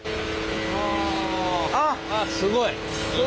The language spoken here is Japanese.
あっすごい！